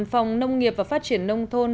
phòng nông nghiệp và phát triển nông thôn